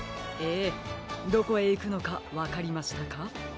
ええどこへいくのかわかりましたか？